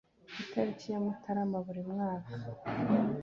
itariki ya Mutarama buri mwaka